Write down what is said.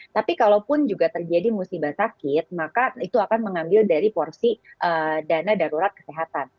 tapi kalaupun juga terjadi musibah sakit maka itu akan mengambil dari porsi dana darurat kesehatan